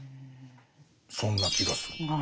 そんな気がする。